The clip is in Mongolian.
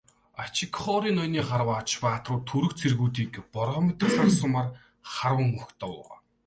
Ачигхори ноёны харваач баатрууд түрэг цэргүүдийг бороо мэт асгарах сумаар харван угтав.